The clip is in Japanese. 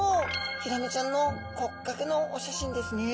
ヒラメちゃんの骨格のお写真ですね。